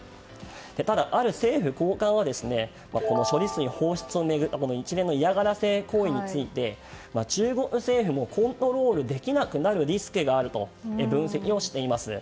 ただ、ある政府高官はこの一連の嫌がらせ行為について中国政府もコントロールできなくなるリスクがあると分析をしています。